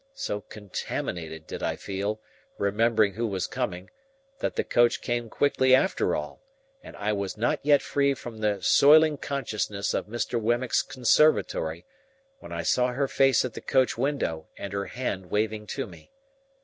So contaminated did I feel, remembering who was coming, that the coach came quickly after all, and I was not yet free from the soiling consciousness of Mr. Wemmick's conservatory, when I saw her face at the coach window and her hand waving to me.